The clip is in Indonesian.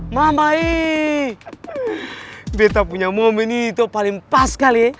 mamai beta punya momen itu paling pas kali eh